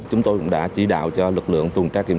chúng tôi đã chỉ đạo cho lực lượng tuần trái kim